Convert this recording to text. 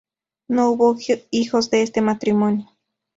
No hubo hijos de este matrimonio.